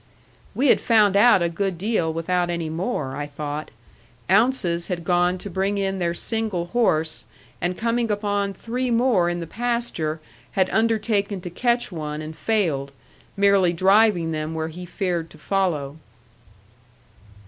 We had found out a good deal without any more, I thought. Ounces had gone to bring in their single horse, and coming upon three more in the pasture had undertaken to catch one and failed, merely driving them where he feared to follow.